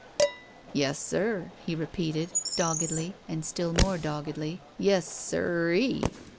"Yes, sir," he repeated, doggedly and still more doggedly. "Yes, siree!"